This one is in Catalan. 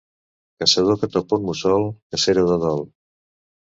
Caçador que topa un mussol, cacera de dol.